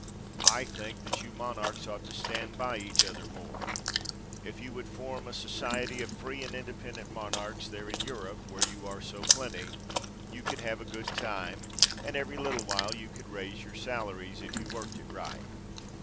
I think that you monarchs ought to stand by each other more. If you would form a society of free and independent monarchs there in Europe, where you are so plenty, you could have a good time and every little while you could raise your salaries if you worked it right.